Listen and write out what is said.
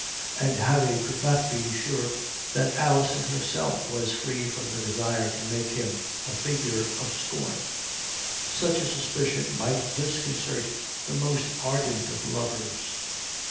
And Harry could not be sure that Alison herself was free from the desire to make him a figure of scorn. Such a suspicion might disconcert the most ardent of lovers.